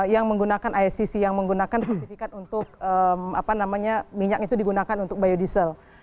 yang menggunakan icc yang menggunakan sertifikat untuk minyak itu digunakan untuk biodiesel